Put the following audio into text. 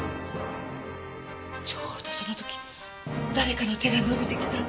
ちょうどその時誰かの手が伸びてきた。